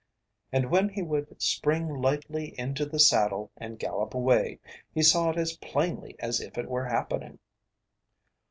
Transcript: And when he would spring lightly into the saddle and gallop away he saw it as plainly as if it were happening.